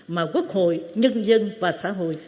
mà quốc hội nhân dân và xã hội